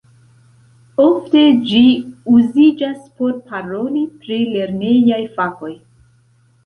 Ofte ĝi uziĝas por paroli pri lernejaj fakoj.